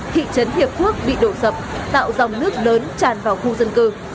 thị trấn hiệp phước bị đổ sập tạo dòng nước lớn tràn vào khu dân cư